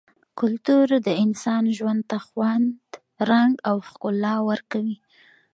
کلتور د انسان ژوند ته خوند ، رنګ او ښکلا ورکوي -